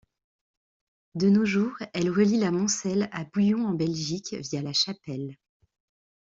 De nos jours, elle relie La Moncelle à Bouillon en Belgique, via La Chapelle.